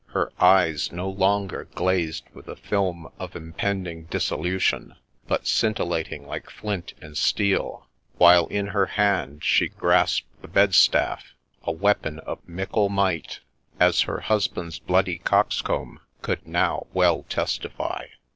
— her eyes no longer glazed with the film of impending dissolution, but scintillating like flint and steel ; while in her hand she grasped the bed staff, — a weapon of mickle might, as her husband's bloody coxcomb could now well testify.